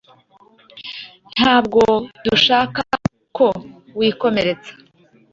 Ntabwo dushaka ko wikomeretsa.